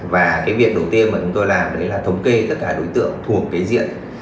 và cái việc đầu tiên mà chúng tôi làm đấy là thống kê tất cả đối tượng thuộc cái diện